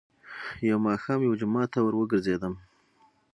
. يو ماښام يوه جومات ته ور وګرځېدم،